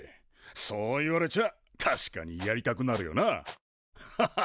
そう言われちゃあ確かにやりたくなるよなハハハハッ。